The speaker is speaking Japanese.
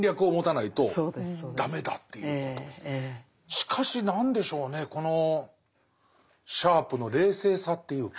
しかしなんでしょうねこのシャープの冷静さっていうか。